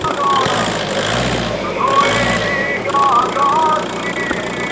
আহাসনুল হক চৌধুরী বিশেষ অতিথি হিসেবে বক্তৃতা করেন।